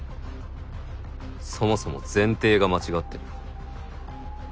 そもそも前提が間違ってる。